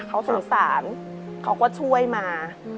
เขาสงสารเขาก็ช่วยมา